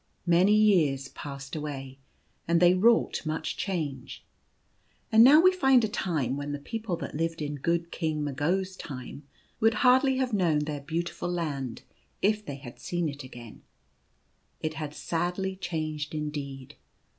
Many years passed away : and they wrought much change. And now we find a time when the people that lived in good King Mago's time would hardly have known their beautiful Land if they had seen It had sadly changed indeed.